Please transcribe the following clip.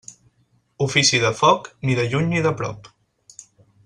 Ofici de foc, ni de lluny ni de prop.